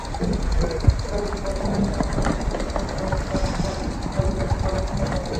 একাধিকবার ক্ষতিপূরণ এবং সংস্কারের দাবি জানিয়ে প্রাথমিক শিক্ষা অধিদপ্তরে আবেদন করা হয়েছে।